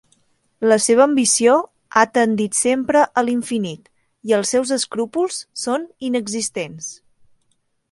La seva ambició ha tendit sempre a l'infinit i els seus escrúpols són inexistents.